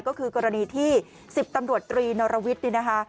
ก็คือกรณีที่๑๐ตำรวจตรีนารวิทย์